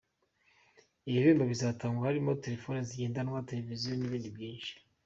Ibihembo bizatangwa harimo telefoni zigendanwa, televiziyo n’ibindi byinshi.